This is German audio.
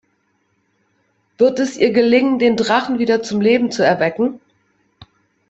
Wird es ihr gelingen, den Drachen wieder zum Leben zu erwecken?